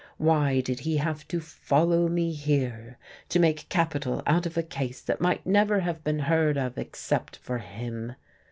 Why did he have to follow me here, to make capital out of a case that might never have been heard of except for him?...